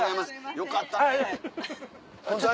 よかったね。